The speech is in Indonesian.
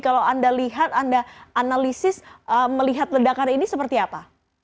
kalau anda lihat anda analisis melihat ledakan ini seperti apa